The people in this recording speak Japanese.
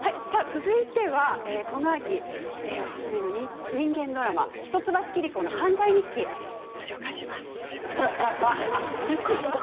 続いてこの秋おすすめの人間ドラマ「一橋桐子の犯罪日記」ご紹介します。